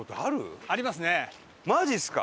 マジっすか？